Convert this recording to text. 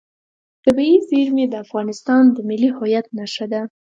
طبیعي زیرمې د افغانستان د ملي هویت نښه ده.